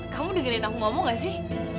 kamu dengerin aku ngomong gak sih